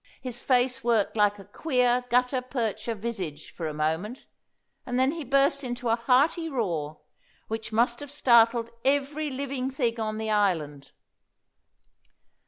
His face worked like a queer gutta percha visage for a moment, and then he burst into a hearty roar which must have startled every living thing on the island.